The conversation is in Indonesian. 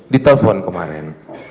di telepon kemarin